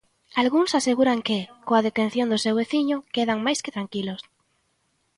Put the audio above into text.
Algúns aseguran que, coa detención do seu veciño, quedan máis tranquilos.